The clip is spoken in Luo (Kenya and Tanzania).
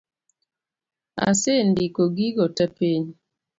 Asendiko gigo tee piny